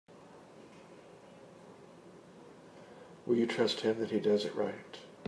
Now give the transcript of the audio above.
Will you trust him that he does it right?